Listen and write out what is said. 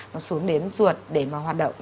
nó xuống đến ruột để mà hoạt động